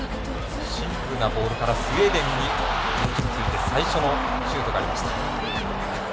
シンプルなボールからスウェーデンに最初のシュートがありました。